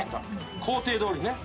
工程どおりね。